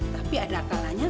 tapi ada akalanya